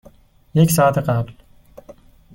یک ساعت قبل.